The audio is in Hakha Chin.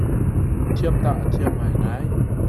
Thiam tah a thiam ngaingai.